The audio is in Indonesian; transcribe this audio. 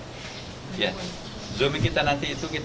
zooming kita nanti itu kita akan mengajak negara negara masjid istiqlal